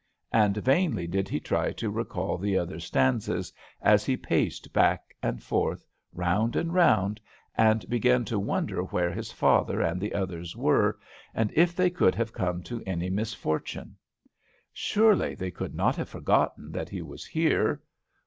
And vainly did he try to recall the other stanzas, as he paced back and forth, round and round, and began now to wonder where his father and the others were, and if they could have come to any misfortune. Surely, they could not have forgotten that he was here.